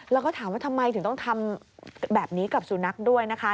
แล้วก็ถามว่าทำไมถึงต้องทำแบบนี้กับสุนัขด้วยนะคะ